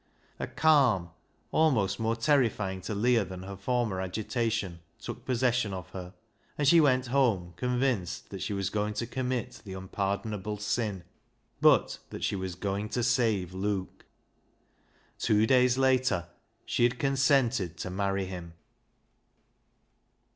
A calm almost more terrifying to Leah than her former agitation took possession of her, and she went home convinced that she was going to commit the unpardonable sin, but that she was going to save Luke, Two days later she had consented to marry him.